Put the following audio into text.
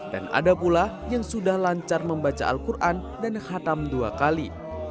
dan ada pula yang sudah lancar membaca al quran dan khatam dua kali